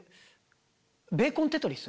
ベーコンテトリス？